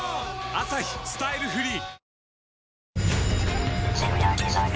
「アサヒスタイルフリー」！